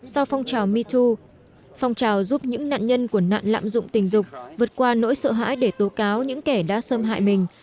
sau phong trào mitu phong trào giúp những nạn nhân của nạn lạm dụng tình dục vượt qua nỗi sợ hãi để tố cáo những kẻ đã xâm hại mình